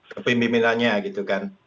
kepimpinannya gitu kan